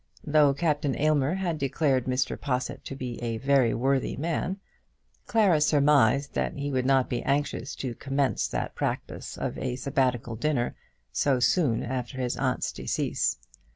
Though Captain Aylmer had declared Mr. Possitt to be a very worthy man, Clara surmised that he would not be anxious to commence that practice of a Sabbatical dinner so soon after his aunt's decease.